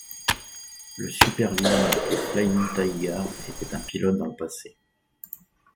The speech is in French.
Le super-vilain appelé Flying Tiger était un pilote dans le passé.